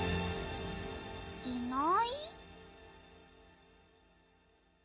いない？